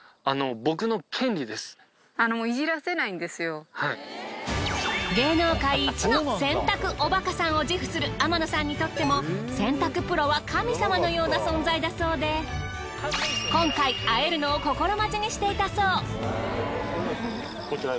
実は芸能界一の洗濯おバカさんを自負する天野さんにとっても洗濯プロは神様のような存在だそうで今回会えるのを心待ちにしていたそう。